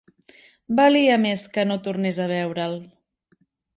Valia més que no tornés a veure'l